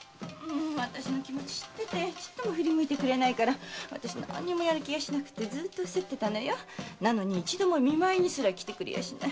私の気持ちを知っててちっとも振り向いてくれないからやる気がしなくて臥せってたのに一度も見舞いに来てくれやしない。